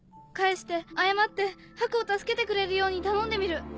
返して謝ってハクを助けてくれるように頼んでみる。